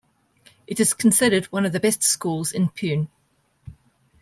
It is considered one of the best schools in Pune.